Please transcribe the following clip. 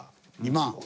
２万。